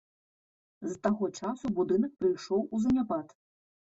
З таго часу будынак прыйшоў у заняпад.